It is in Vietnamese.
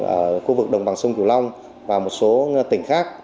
ở khu vực đồng bằng sông kiều long và một số tỉnh khác